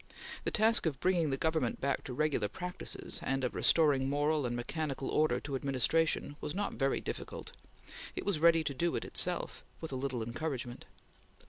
The task of bringing the Government back to regular practices, and of restoring moral and mechanical order to administration, was not very difficult; it was ready to do it itself, with a little encouragement.